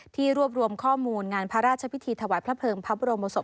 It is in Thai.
ที่รวบรวมข้อมูลงานพระราชพิธีจพพปรโมศพ